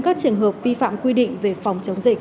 các trường hợp vi phạm quy định về phòng chống dịch